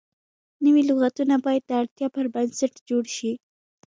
نوي لغتونه باید د اړتیا پر بنسټ جوړ شي.